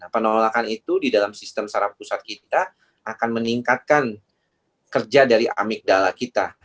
penolakan itu di dalam sistem sarap pusat kita akan meningkatkan kerja dari amigdala kita